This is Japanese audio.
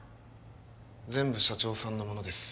全部社長さんのものです